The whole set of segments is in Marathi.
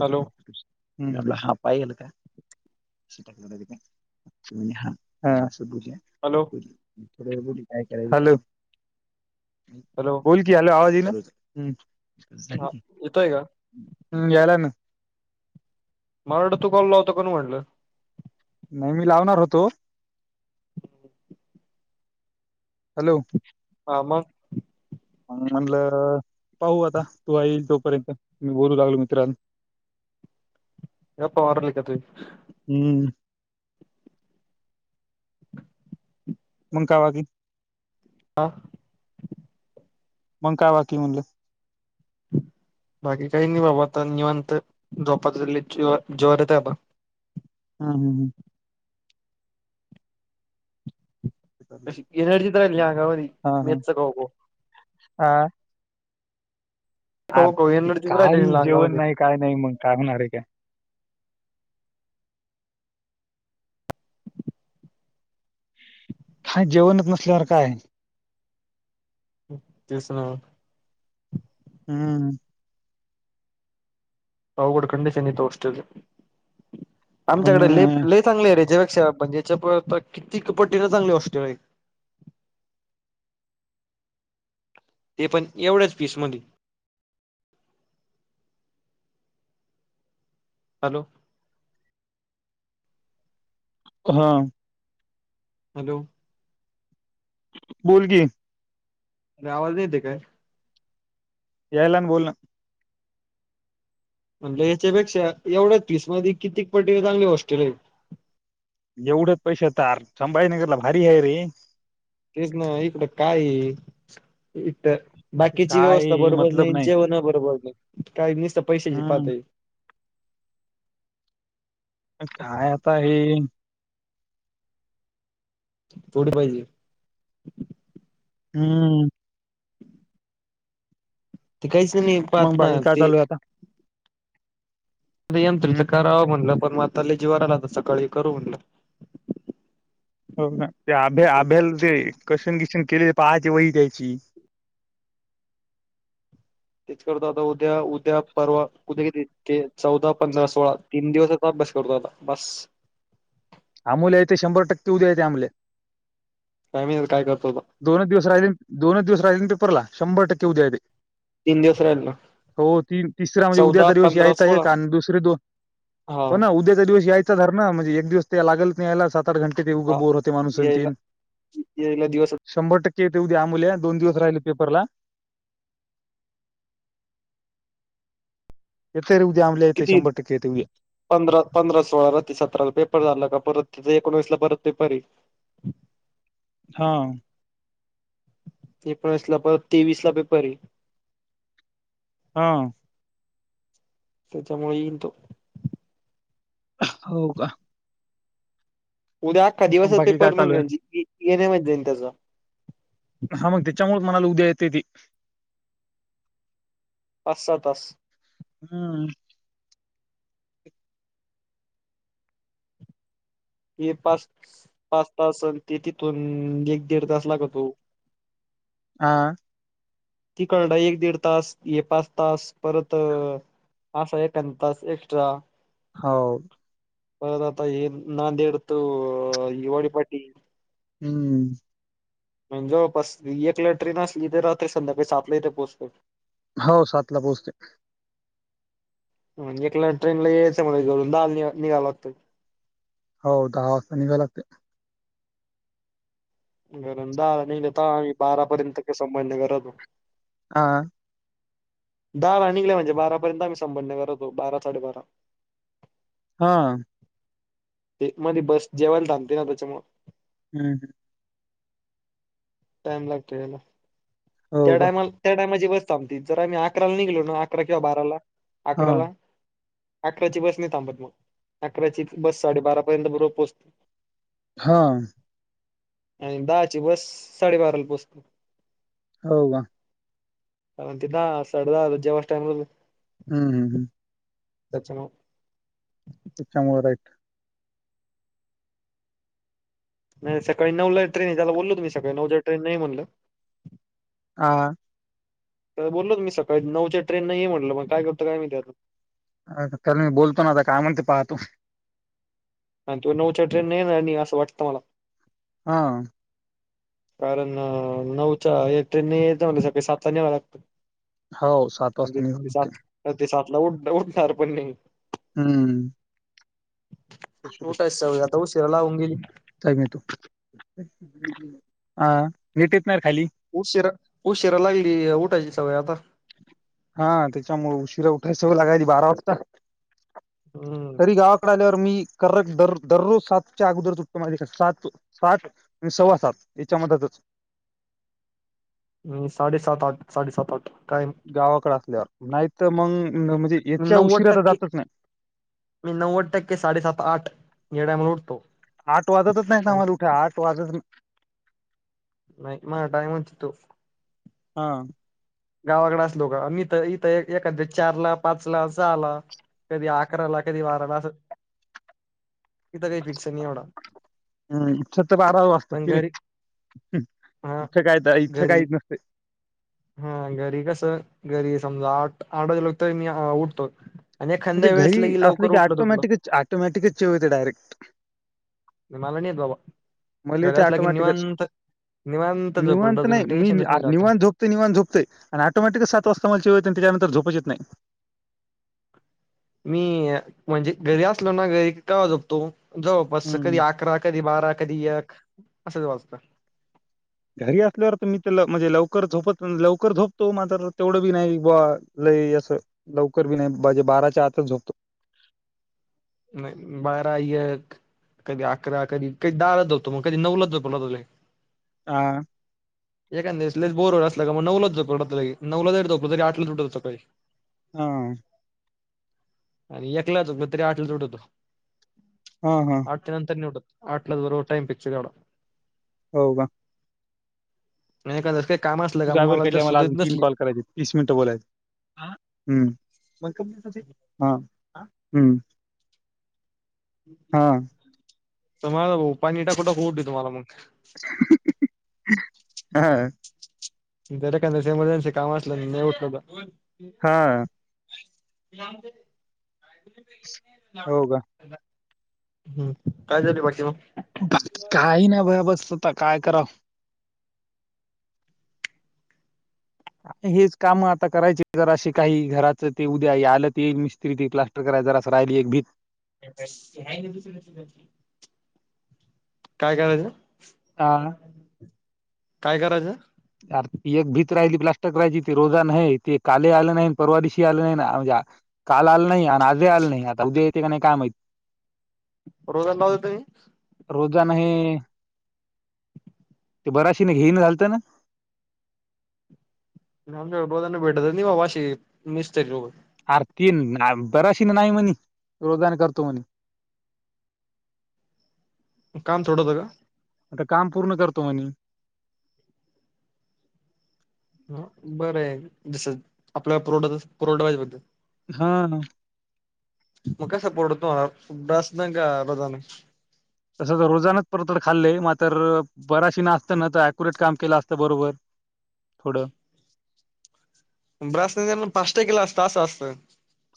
हॅलो हा पाय गेल काय? [inaudible] [unintelligible] हा -हा अस बूजया हॅलो थोड ब काय कराय झालं [unintelligible] हॅलो हॅलो बोल की हॅलो आवाज येईना - [unintelligible] झाल हा की येतोय का? हम्म यायलाय ना मला वाटलं तू काॅल लावतो का न म्हटलं नाही मी लावणार होतो हॅलो हा मग म म्हणलं पाहू आता तूआ ईल तोपर्यंत मी बोलू लागलो मित्रांन याप वारल का तु [unintelligible] हम्म मण कावा कि हां मग काय बाकी म्हणलं? बाकी काही नाही बाबा आता निवांत झोपात- ज जवारित आहे बा हा हम्म हम्म अ चाललंय. न हडजितरल यागवरी हा हा मेत्सक हगो [unintelligible] हा आर खाऊ खाऊ की एनर्जीच काही राहिली ना जेवण अंगामध्ये नाही काय नाही मग काय होणार आहे काय हा जेवणच नसल्यावर काय तु सणाव [unintelligible] हम्म अवघड कंडिशन इथं हाॅस्टेलच [inaudible] हो आमच्याकड ना लय -लय चांगले आहे रे हेच्यापेक्षा म्हणजे च्या किती- पट्टींन चांगली हाॅस्टेल आहेत ते पण एवढ्याच पीसमधी हॅलो हा. हॅलो. बोल की. अरे आवाज येते काय यायला ना बोल ना म्हणजे याच्यापेक्षा एवढ्याच वीस मध्ये कितीक पट्टी चांगली हॉस्ट्रेल आहेत. एवढंच पैसे तार संभाजीनगरला भारी आहे रे तेच ना इकड काही इठ बाकीची व्यवस्था काय बरोबर मतलब नाही, जेवण बरोबर नाही काही नसत पैशाची हम्म पातळी काय आता हे पुढ पाहिजे हम्म. ते काहीच नाही मग पाहत ना बाकी काय ते चालू आहे आता यंत्रीच हम्म करावं म्हणलं पण म आताला जीवावर आलं आता सकाळी करू म्हणलं हो ना ते आभ्या आभ्याला ते कसेन किसन केले ते पहायचे वही द्यायची तेच करत आता उद्या उद्या परवा उद्या किती ते चौदा पंधरा सोळा तीन दिवसाचा अभ्यास करतो आता बस आमोल येते शंभर टक्के उद्या येत अमल्या [unintelligible] काय करतो बघ दोन दिवस राहिले दोनच दिवस राहिले पेपरला शंभर टक्के ऊद्या येते तीन दिवस राहील ना हो ती तिसरा म्हणजे चौदा उद्याचा दिवस पंधरा यायच आहे सोळा कान दुसरे दोन हा हो ना उद्याचा दिवस यायचा [unintelligible] म्हणजे एक दिवस त्या लागेल नाही यायला सात सात घंटे ते उगा हा बोर होते माणूस अन यायला तीन यायला दिवस शंभर टक्के येते उद्या आमूल्या दोन दिवस राहिले पेपरला येते रे उद्या आमल्या येत किती शंभर टक्केे येतो या पंधरा पंधरा सोळाला ते सतराला पेपर झाला का परत तिथे एकोणवीस ला परत पेपरी हाय हा. एकोणीसला परत तेवीस ला पेपर आहे हा. त्याच्यामुळे येईल तो हो का उद्या अख्खा दिवस मग बाकी काय पेपर मंग चालू आहे ये येण्यामध्ये जाईल त्याचं हा मग त्याच्यामुळे म्हणालो उद्या येते की पाच सहा तास हम्म. ये पास पाच तास असल ते तिथून एक दीड तास लागतो हा. ती कळड एक दीड तास ये पाच तास परत [unintelligible] एक्स्ट्रा हा. परत आता हे नांदेड तो हिवाळी पाटी हम्म. म्हणजे पस एक लेटरीन असली ते राहते संध्याकाळी सातला इथे पोचतो हो सात ला पोहोचतेय मग एकला ट्रेन ला यायच म दहा ला निघाव लागतय हो दहा वाजता निघा लागतय. [unintelligible] हा. दहा ला निघले म्हणजे बारापर्यंत आम्ही संभाजीनगरला येतो बारा साडेबारा हा! ते मध्ये बस जेवायला थांबते ना त्याच्यामुळ. हम् हम टाइम लागतो याला हो त्या का टायमाला. त्या टायमाची बसत आमती जर आम्ही अकराला निघलो ना अकरा किंवा बाराला हा अकराला. अकराची बस नाही थांबत मग अकराची बस साडेबारापर्यंत बरोबर पोहोचते. हा! आणि दहाची बस साडेबाराला पोचते. हो का! अतीना सडदा जवस् टाईमल हम् हम हम. त्याच्यामुळे. त्याच्यामुळे राईट. नाही सकाळी नऊला ट्रेन आहे, त्याला बोलल तुम्ही सकाळी नऊच्या ट्रेन नाही म्हणलं हा! बोललो तु मी सकाळी नऊच्या ट्रेन नाही ये म्हटलं मग काय करतो काय माहिती आता. तर मी बोलतो ना आता काय म्हणते पाहतो. आणि तू नऊच्या ट्रेन नाही आणि असं वाटतं मला. हा! कारण नऊच्या ट्रेनने येतं मला सकाळी सात न्यावं लागतं. हो सात वाजता निघावं लागते सात ते सातला उठ उठणार पण नाही. हम्! उठायची सवय आता उशिरा लागून घेईल. [unintelligible] उशिरा उशिरा लागली उठायची सवय आता. हा त्याच्यामुळे उशिरा उठायला सगळं लागायली बारा वाजता. हो! तरी गावाकडे आल्यावर मी कक दर दररोज सातच्या अगोदर तुटतो माझे सात साठ म सव्वा सात याच्या मतच म साडेसात आठ साडेसात आठ काय, गावाकडे असल्यावर नाही तर, मग म्हणजे. मी याच्या नव्वद उशिरा तर टक्के जातच नाही मी नव्वद टक्के साडेसात आठ या टायमाला उठतो. आठ वाजतच नाही आणि आम्हाला उठे आठ वाजत. नाही मझ टाईम्स तो. हा! गावाकडे असलो का मी तर इथं एखाद चारला पाच ला सहाला. कधी अकराला कधी बाराला अस इथं काही पिक्चर नाही एवढा. हम्! इथं तर बारा वाजत पण किरे घरी हा इथं काय इथं घरी काही. हा घरी कसं घरी समजा आठ आठवाजल तरी मी उठतो. आणि म्हणजे एखाद्या वेळेस घरी लगी असले लवकर की उठलं तुटलं ऑटोमॅटिकच ऑटोमॅटिकचचेव होते डायरेक्ट. मला नाही येत बाबा. मला ते घरात असला की ऑटोमॅटिकच निवांत निवांत [unintelligible] तुम्ही टेन्शनच नाही राहात. ते निवांत झोपते आणि ऑटोमॅटिक सात वाजता मला [unintelligible] आणि त्यानंतर झोपच येत नाही. मी म्हणजे घरी असलो ना घरी का झोपतो जवळपास नाही सकाळी अकरा कधी बारा कधी एक असंच वाजतं. घरी असल्यावर तर मी तर ल म्हणजे लवकर झोपत लवकर झोपतो मात्र तेवढं बी नाही बा लई असं लवकर बी नाही म्हजे बाराच्या आतच झोपतो. नाही बारा एक. कधी अकरा कधी कध दहा लाच जाततो मग कधी नऊलाच जातोला तुला हा. एकाद दिवस लयच बोरवर असला मग नऊलाच झोपतो नऊलाच झोपलं तरी आठला उठतो सकाळी हा आणि एकलाचो तरी आठला चोट होतो ह हा आठ त्या नंतर नि उठत आटल्याच बरोबर टाइम पिक्चड हो का नाही [inaudible] तुझ आवर कैल्या मला अजून तीन कॉल करायचं तीस मिनटं बोलायच हम् मग हा हम्म. हा तर मला भाऊ पाणी टाकू टाकून उठवतो मला मगं. हा. जरा काही एमर्जन्सी काम असलं नाही उठलं. हा. हो का [inaudible] हम् काय झारी पाडते मग. बाकी काही नाही भया बस स्वतः काय कराव. हेच काम आता करायचे ज असे काही घराचं ते उद्या आलं ते येईल मिस्त्री तथला य जरा रायली एक भी [inaudible] काय करायचं? हा काय करायचं? अर ती एक भीत राहिली प्लास्टिक राहायची ते रोजा नाही ते काले आलं नाही परवाारीशी आलं नाही म्हणजे. काल आलं नाही आणि आजही आलं नाही आता उद्या येते का नाही काय माहि रोजा लाव देती रोजा नाही ते बराशी नाही घेन घालत ना. आमच्या बांना भेटत बा वाशी मिस्तरी लो आरती बराशी नाही म्हणे रोजान करतो म्हणे.. काम थोडं होत का? आता काम पूर्ण करतो म्ह ह बरं आहे दिस आपल्या पुरवठा पुरवठाबाज बद्दल हा. [inaudible] तसं तर रोजानच परत खाल्लंय मात्र बराशी ना असतं ना तर अक्युरेट काम केलं असतं बरोबर थोडं. ब्रास न पाचटे किला असत त असं असतं.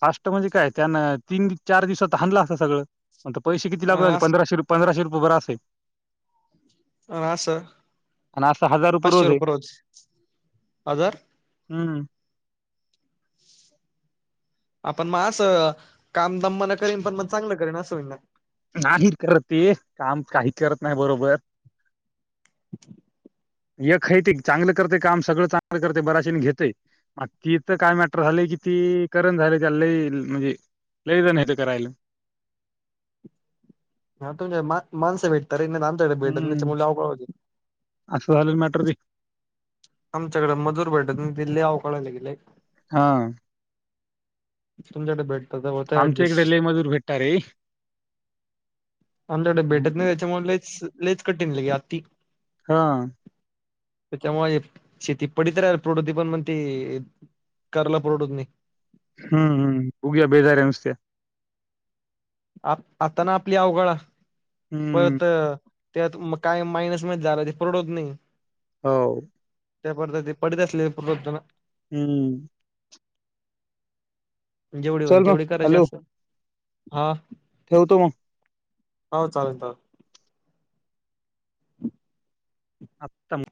फास्ट म्हणजे काय त्यानं तीन चार दिवसात हाणला असता सगळं पण पैसे किती लागल असतं पंधराशे रुप पंधशे रुपय वर असेल. अ अस आणि असं हजार रुपये पाचशे आहे रुपय रोज हाजार हम्म. आपण म असं काम दम्मान करीन पण म चांगलं करीन अस होइल ना नाही करते काम काही करत नाही बरोबर [unintelligible] य खैती चांगलं करतय काम सगळं चांगलं करतय बराचेन घेतय ती इथ काय मॅटर झालेकी ती करण झाले त्याला लई म्हणजे लय जण येतं करायला हा तुम माण माणस भेटतारे आमच्याकडे भेटत त्या हम्म मूळ अवघड होत असं झाल मॅटर आमच्याकडे मजुर भेटूत दि लई अवघड ले हा तुमच्याकडे भेटत त होत आमच्या इकडे ऍडजस्ट लई मजूर भेटणार रे आमच्याकड भेटत नाही त्याच्यामुळे लईच लईच कठीण ले आती ह. त्याच्यामुळे शेती पडीत राहिल प्रवरते पण म्हणते. करला प्रवडत नाय. हम्म हम्म उग्या बेजाऱ्या नुसत्या. आ आता ना आपली अवघड हाय हम्म परत त्यात मग काय मायनस मध्ये झाला ते परवडत नाही. हो. [unintelligible] हम्म. जेवढी होईन चल मग तेवढी करायची हॅलो असं हा ठेवतो म हो चालेल चालेल. आत्ताम